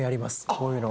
こういうの。